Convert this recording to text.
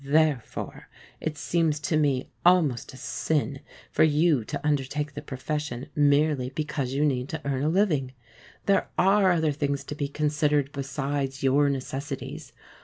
Therefore it seems to me almost a sin for you to undertake the profession merely because you need to earn a living. There are other things to be considered besides your necessities.